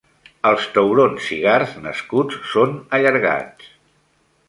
Els taurons cigars nascuts són allargats.